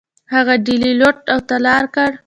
هغه ډیلي لوټ او تالا کړ.